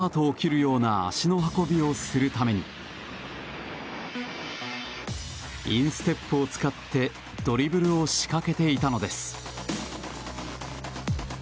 三笘は、短距離走のスタートを切るような足の運びをするためにインステップを使ってドリブルを仕掛けていたのです。